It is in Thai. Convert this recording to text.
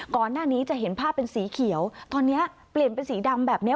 ก่อนหน้านี้จะเห็นภาพเป็นสีเขียวตอนนี้เปลี่ยนเป็นสีดำแบบนี้